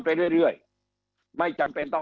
คำอภิปรายของสอสอพักเก้าไกลคนหนึ่ง